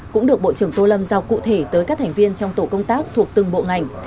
cũng được bộ trưởng tô lâm giao cụ thể tới các thành viên trong tổ công tác thuộc từng bộ ngành